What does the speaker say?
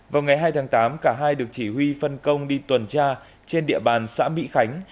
vào ngày hai tháng tám cả hai được chỉ huy phân công đi tuần tra trên địa bàn xã mỹ khánh